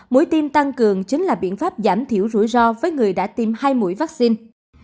mũi tiêm tăng cường chính là biện pháp giảm thiểu rủi ro với người đã tiêm hai mũi vaccine